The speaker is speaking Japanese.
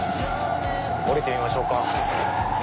降りてみましょうか。